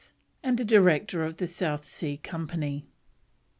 and a Director of the South Sea Company.